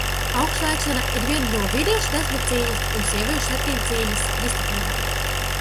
Augstlēkšana ir viena no vīriešu desmitcīņas un sieviešu septiņcīņas disciplīnām.